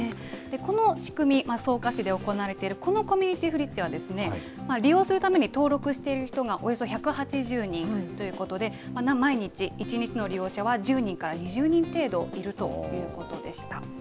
この仕組み、草加市で行われているこのコミュニティフリッジはですね、利用するために登録している人がおよそ１８０人ということで、毎日、１日の利用者は１０人から２０人程度いるということでした。